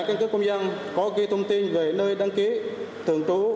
thẻ căn cứ công dân có ghi thông tin về nơi đăng ký thường trú